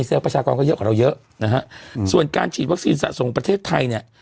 ประชากรก็เยอะกว่าเราเยอะนะฮะส่วนการฉีดวัคซีนสะสมประเทศไทยเนี่ย